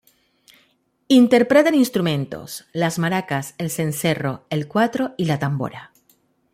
Interpretan instrumentos las maracas, el cencerro, el cuatro y la tambora.